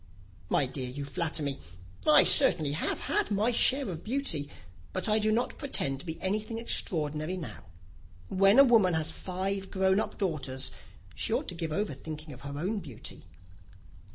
"My dear, you flatter me. I certainly have had my share of beauty, but I do not pretend to be anything extraordinary now. When a woman has five grown up daughters, she ought to give over thinking of her own beauty."